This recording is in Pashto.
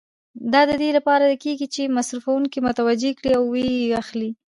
دا د دې لپاره کېږي چې مصرفوونکي متوجه کړي او و یې اخلي.